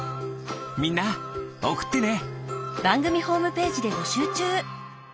みんなおくってね。